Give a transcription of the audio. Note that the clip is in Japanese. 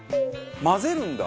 混ぜるんだ？